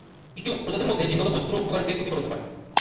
একটি প্রজাতির মধ্যে জিনগত বৈচিত্র্য উপকারী থেকে ক্ষতিকর হতে পারে।